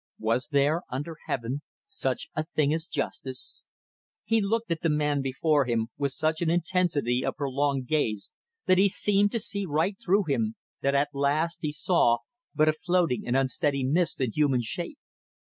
Was there, under heaven, such a thing as justice? He looked at the man before him with such an intensity of prolonged glance that he seemed to see right through him, that at last he saw but a floating and unsteady mist in human shape.